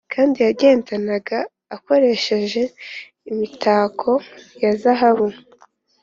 kandi yagendanaga akoresheje imitako ya zahabu,